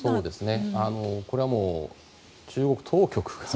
これはもう中国当局が。